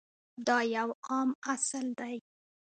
دا یو عام اصل دی.